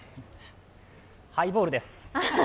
ハイボールです。